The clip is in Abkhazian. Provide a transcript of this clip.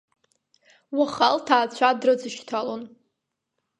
Уаха лҭаацәа дрыцшьҭалон.